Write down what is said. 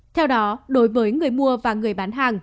theo đó đối với người mua và người bán hàng